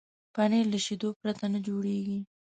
پنېر له شيدو پرته نه جوړېږي.